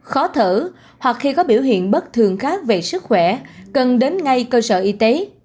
khó thở hoặc khi có biểu hiện bất thường khác về sức khỏe cần đến ngay cơ sở y tế